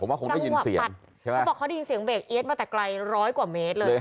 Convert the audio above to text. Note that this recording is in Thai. เขาก็ยินเสียงเขาบอกเพราะเขาดินเสียงเบรกเอสมาแต่ไกล๑๐๐กว่าเมตรเลยครับ